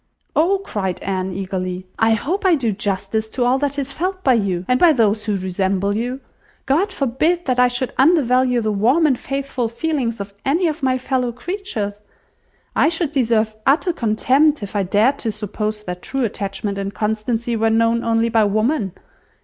"Oh!" cried Anne eagerly, "I hope I do justice to all that is felt by you, and by those who resemble you. God forbid that I should undervalue the warm and faithful feelings of any of my fellow creatures! I should deserve utter contempt if I dared to suppose that true attachment and constancy were known only by woman.